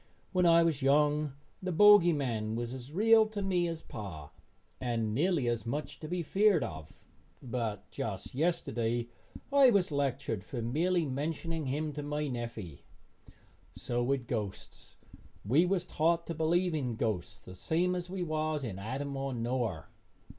When I was young the bogey man was as real to me as pa and nearly as much to be feared of, but just yesterday I was lectured for merely mentioning him to my neffy. So with ghosts. We was taught to believe in ghosts the same as we was in Adam or Noar.